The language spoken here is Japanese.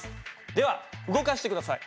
では動かして下さい。